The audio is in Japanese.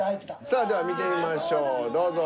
さあでは見てみましょうどうぞ。